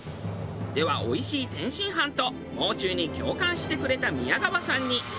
ではおいしい天津飯ともう中に共感してくれた宮川さんにお礼。